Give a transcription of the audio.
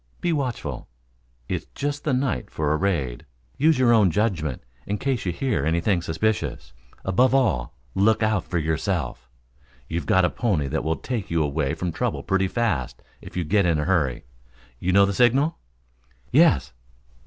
Be watchful. It's just the night for a raid. Use your own judgment in case you hear anything suspicious. Above all look out for yourself. You've got a pony that will take you away from trouble pretty fast if you get in a hurry. You know the signal?" "Yes."